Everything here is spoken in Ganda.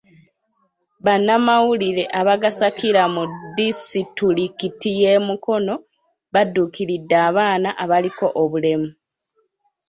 Bannamawulire abagasakira mu disitulikiti y'e Mukono badduukiridde abaana abaliko obulemu.